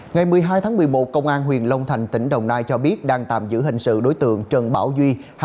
ngày một mươi hai tháng một mươi một công an huyện long thành tỉnh đồng nai cho biết đang tạm giữ hình sự đối tượng trần bảo duy